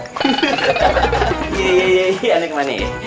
hehehe anda kemana ya